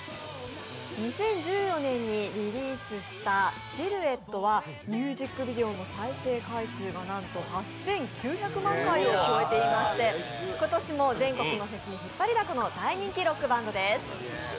２０１４年にリリースした「シルエット」はミュービックビデオの再生回数がなんと８９００万回を超えていまして子都市も全国のフェスに引っ張りだこの大人気ロックバンドです。